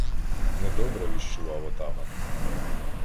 — Недобре віщував отаман.